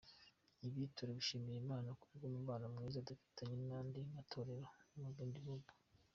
Ibi turabishimira Imana kubw’umubano mwiza dufitanye n’andi matorero mu bindi bihugu."